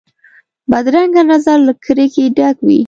بدرنګه نظر له کرکې ډک وي